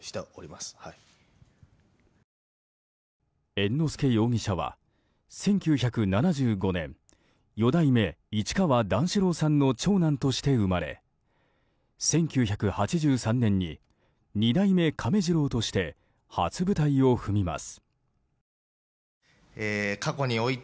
猿之助容疑者は、１９７５年四代目市川段四郎さんの長男として生まれ１９８３年に二代目亀治郎として初舞台を踏みます。